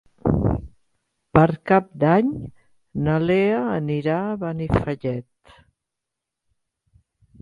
Per Cap d'Any na Lea anirà a Benifallet.